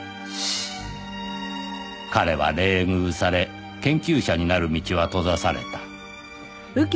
“彼”は冷遇され研究者になる道は閉ざされた